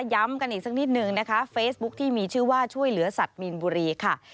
ย้ำกันอีกสักนิดนึงนะคะเฟซบุ๊คที่มีชื่อว่าช่วยเหลือสัตว์มีนบุรีค่ะ